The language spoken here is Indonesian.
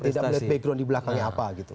tidak melihat background di belakangnya apa gitu